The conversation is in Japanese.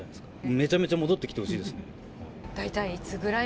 めちゃめちゃ戻ってきてほしいですね。